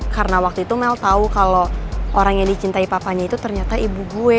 karena waktu itu mel tau kalo orang yang dicintai papanya itu ternyata ibu gue